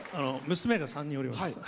娘が３人おります。